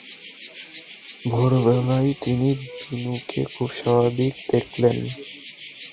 ভোরবেলায় তিনি বিনুকে খুব স্বাভাবিক দেখলেন।